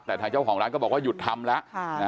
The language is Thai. แต่ทางเจ้าของร้านก็บอกว่าหยุดทำแล้ว